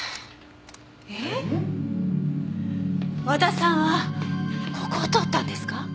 和田さんはここを通ったんですか？